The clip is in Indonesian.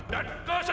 dan kesetiaan raya